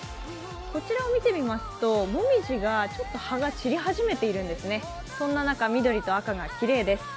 こちらを見てみますともみじが葉が散り始めているんでスネルそんな中、緑と赤がきれいです。